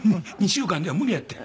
２週間では無理やって。